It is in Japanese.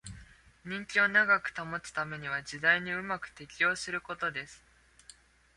人気を長く保つためには時代にうまく適応することです